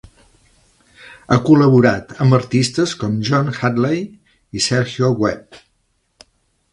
Ha col·laborat amb artistes com John Hadley i Sergio Webb.